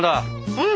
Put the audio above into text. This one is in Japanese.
うん！